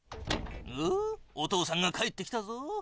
おっお父さんが帰ってきたぞ。